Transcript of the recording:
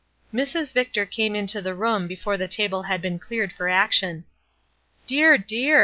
Mrs. Victor came into the room before the table had been cleared for action. "Dear, dear!"